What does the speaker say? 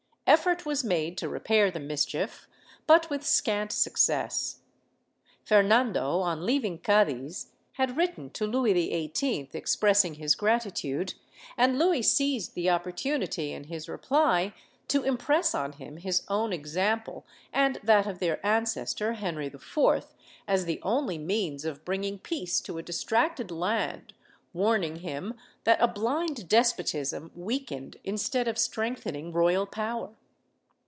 Effort was made to repair the mischief, but v/ith scant success. Fernando, on leaving Cadiz, had written to Louis XVIII, expressing his gratitude, and Louis seized the opportunity, in his reply, to impress on him his own example and that of their ancestor Henry IV, as the only means of bringing peace to a distracted land, warning him that a blind despotism weakened instead of strength ening royal power.